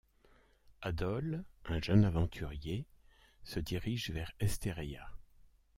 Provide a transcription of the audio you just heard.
Adol, un jeune aventurier, se dirige vers Esteria.